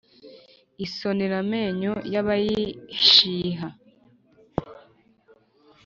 Isonera amenyo y'abayishiha